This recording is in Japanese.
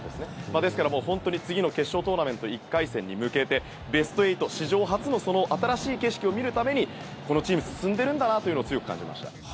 ですからもう本当に、次の決勝トーナメント１回戦に向けてベスト８、史上初の新しい景色を見るためにこのチーム進んでるんだなというのを強く感じました。